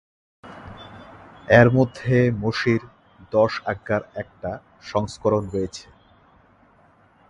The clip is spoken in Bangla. এর মধ্যে মোশির দশ আজ্ঞার একটা সংস্করণ রয়েছে।